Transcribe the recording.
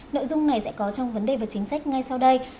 nội dung này sẽ có trong vấn đề và chính sách ngay sau đây